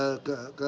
masuk ke aok ya